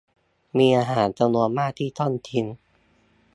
มีอาหารจำนวนมากที่ต้องทิ้ง